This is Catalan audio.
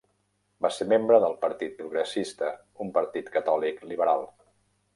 Va ser membre del Partit Progressista, un partit catòlic liberal.